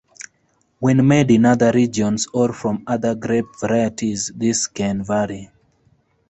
When made in other regions, or from other grape varieties, this can vary.